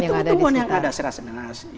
itu tumbuh tumbuhan yang ada serat serat nenas